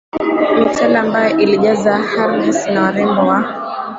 mitala ambayo ilijaza harems na warembo wa